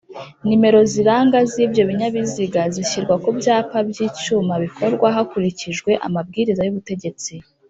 Nimero ziranga z'ibyo binyabiziga zishyirwa ku byapa by'icyuma bikorwa hakurikijwe amabwiriza y'ubutegetsi